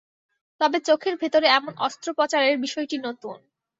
তবে চোখের ভেতরে এমন অস্ত্রোপচারের বিষয়টি নতুন।